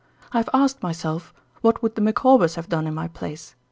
I have asked myself what would the Micawbers have done in my place.